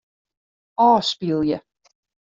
Ofspylje.